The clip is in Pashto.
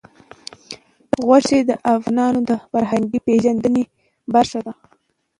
غوښې د افغانانو د فرهنګي پیژندنې برخه ده.